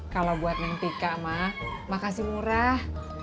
kalau buat neng tika emak emak kasih murah